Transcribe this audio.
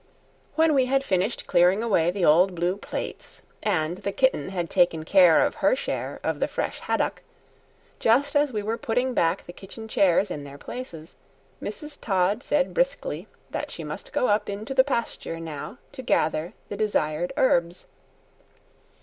When we had finished clearing away the old blue plates, and the kitten had taken care of her share of the fresh haddock, just as we were putting back the kitchen chairs in their places, Mrs. Todd said briskly that she must go up into the pasture now to gather the desired herbs.